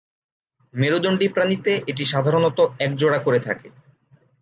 মেরুদণ্ডী প্রাণীতে এটি সাধারণত একজোড়া করে থাকে।